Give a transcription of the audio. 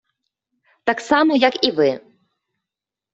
Так само як і Ви.